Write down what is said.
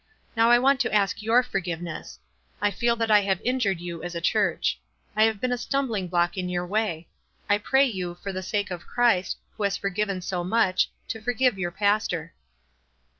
Now I want to ask your forgiveness. I feel that I have injured you as a church. I have been a stumbling block in your way. I pray you for the sake of Christ, who has forgiven so much, to forgive 3'our pastor."